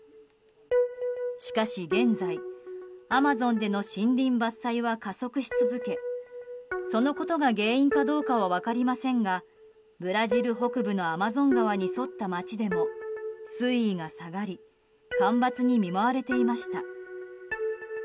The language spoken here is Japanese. しかし現在、アマゾンでの森林伐採は加速し続けそのことが原因かどうかは分かりませんがブラジル北部のアマゾン川に沿った街でも水位が下がり干ばつに見舞われていました。